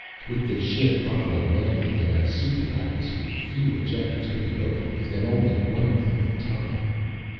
With the ship bucking madly in a soupy atmosphere, few Ejectors could be mobilized and only one of them in time.